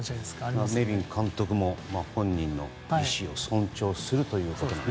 ネビン監督も本人の意思を尊重すると。